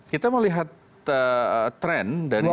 kita melihat tren dari